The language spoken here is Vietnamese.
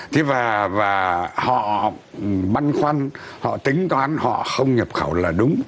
thế và họ băn khoăn họ tính toán họ không nhập khẩu là đúng